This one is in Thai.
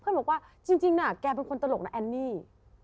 บอกว่าจริงน่ะแกเป็นคนตลกนะแอนนี่